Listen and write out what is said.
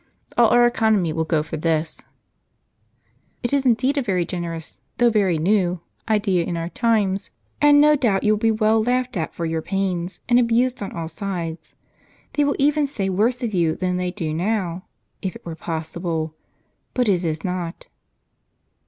All our economy will go for this." "It is indeed a very generous, though very new, idea in our times ; and no doubt you will be well laughed at for your pains, and abused on all sides. They will even say worse of you than they do now, if it were possible ; but it is not."